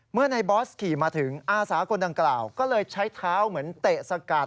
เมื่อในบอสขี่มาถึงอาสาคนดังกล่าวก็เลยใช้เท้าเหมือนเตะสกัด